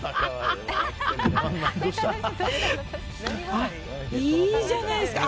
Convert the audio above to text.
あ、いいじゃないですか。